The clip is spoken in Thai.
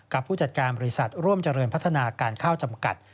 ผู้จัดการบริษัทร่วมเจริญพัฒนาการข้าวจำกัด